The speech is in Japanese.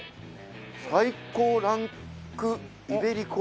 「最高ランクイベリコ」。